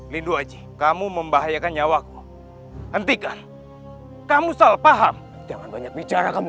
lindu aja kamu membahayakan nyawaku hentikan kamu salah paham jangan banyak bicara kamu